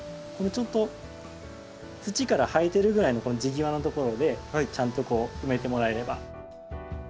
ちょっと土から生えてるぐらいの地際のところでちゃんとこう埋めてもらえれば。